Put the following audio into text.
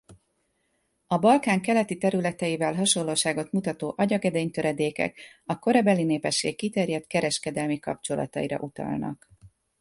A Balkán keleti területeivel hasonlóságot mutató agyagedény-töredékek a korabeli népesség kiterjedt kereskedelmi kapcsolataira utalnak.